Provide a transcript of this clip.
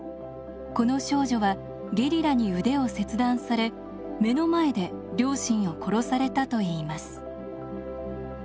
この少女はゲリラに腕を切断され目の前で両親を殺されたといいます。